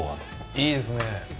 いいですね。